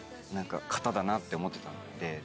だなって思ってたんで。